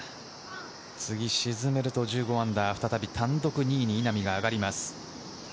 次沈めると−１５、再び単独２位に稲見が上がります。